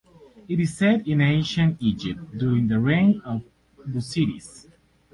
It is set in Ancient Egypt during the reign of Busiris.